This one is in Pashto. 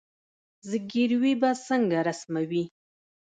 زګیروي به څنګه رسموي